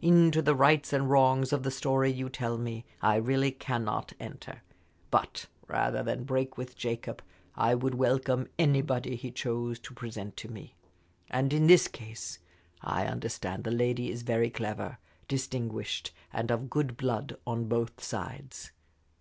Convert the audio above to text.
Into the rights and wrongs of the story you tell me, I really cannot enter; but rather than break with Jacob I would welcome anybody he chose to present to me. And in this case I understand the lady is very clever, distinguished, and of good blood on both sides.